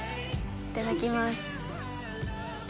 いただきます。